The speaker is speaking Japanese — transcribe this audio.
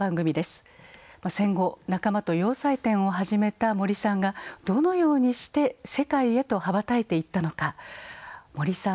戦後仲間と洋裁店を始めた森さんがどのようにして世界へと羽ばたいていったのか森さん